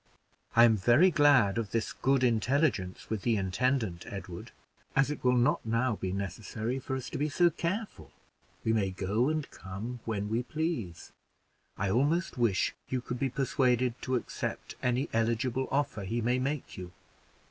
"I am very glad of this good intelligence with the intendant, Edward, as it will not now be necessary for us to be so careful; we may go and come when we please. I almost wish you could be persuaded to accept any eligible offer he may make you.